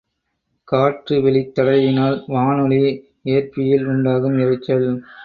காற்று வெளித் தடையினால் வானொலி ஏற்பியில் உண்டாகும் இரைச்சல்.